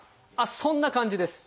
そんな感じです。